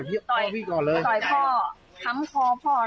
นี่มันถือมีดออกมาด้วย